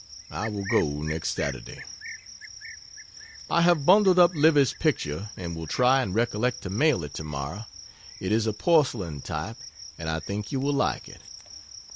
I will go next Saturday. I have bundled up Livy's picture and will try and recollect to mail it tomorrow. It is a porcelaintype and I think you will like it.